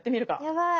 やばい。